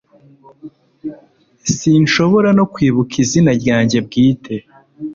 Sinshobora no kwibuka izina ryanjye bwite